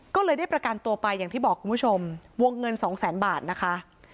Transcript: ก็เลยได้ประกันตัวไปอย่างที่บอกคุณผู้ชมวงเงินสองแสนบาทนะคะ